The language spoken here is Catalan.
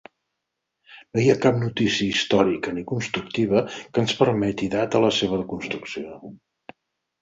No hi ha cap notícia històrica ni constructiva que ens permeti data la seva construcció.